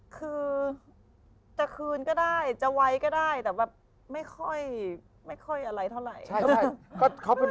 คือจะคืนก็ได้จะไวก็ได้แต่แบบไม่ค่อยอะไรเท่าไหร่